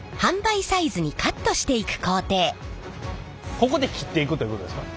ここで切っていくということですか？